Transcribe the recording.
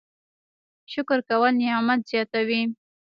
شکر کول نعمت زیاتوي